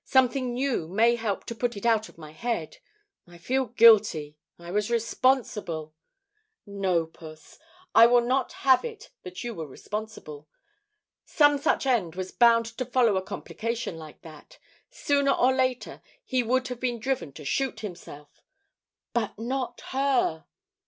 Something new may help to put it out of my head. I feel guilty. I was responsible " "No, Puss. I will not have it that you were responsible. Some such end was bound to follow a complication like that. Sooner or later he would have been driven to shoot himself " "But not her."